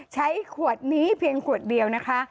ใช้ขวดนี้เพียงขวดเดียวนะคะ